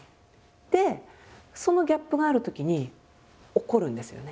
でそのギャップがあるときに怒るんですよね。